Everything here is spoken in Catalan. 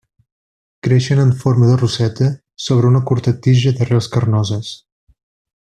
Creixen en forma de roseta sobre una curta tija d'arrels carnoses.